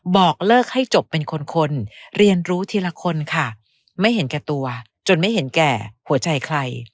บอกเลิกให้จบเป็นคนคนเรียนรู้ทีละคนค่ะไม่เห็นแก่ตัวจนไม่เห็นแก่หัวใจใคร